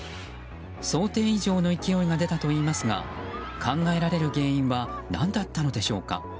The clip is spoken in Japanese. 想定以上の勢いが出たといいますが考えられる原因は何だったのでしょうか。